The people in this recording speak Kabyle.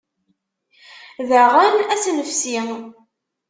Daɣen ad as-nefsi.